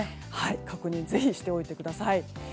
確認、ぜひしておいてください。